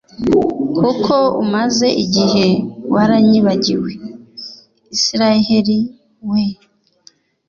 kuko umaze igihe waranyibagiwe, israheli we !